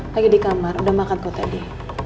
lagi di kamar udah makan kok tadi